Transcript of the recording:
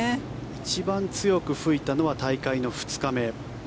一番強く吹いたのは大会の２日目。